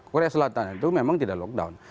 korea selatan itu memang tidak lockdown